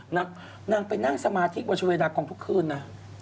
นางไปนั่งสมาธิวัชเวดากองทุกคืนนะ